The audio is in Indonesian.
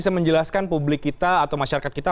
bisa menjelaskan publik kita atau masyarakat kita